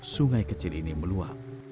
sungai kecil ini meluap